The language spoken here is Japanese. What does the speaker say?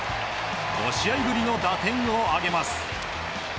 ５試合ぶりの打点を挙げます。